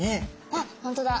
あっ本当だ。